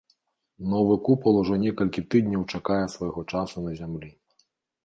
Новы купал ужо некалькі тыдняў чакае свайго часу на зямлі.